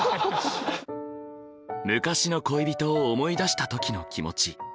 昔の恋人を思い出した時の気持ち。